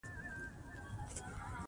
بادي انرژي د افغانستان د جغرافیې بېلګه ده.